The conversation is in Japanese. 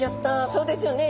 そうですよね。